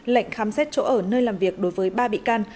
lệnh khám xét chỗ ở nơi làm việc đối với ba bị can